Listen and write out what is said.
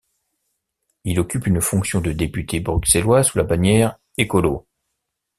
Il occupe une fonction de député bruxellois sous la bannière Ecolo.